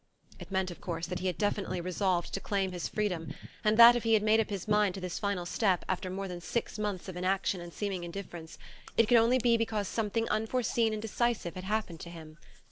It meant, of course, that he had definitely resolved to claim his freedom; and that, if he had made up his mind to this final step, after more than six months of inaction and seeming indifference, it could be only because something unforeseen and decisive had happened to him.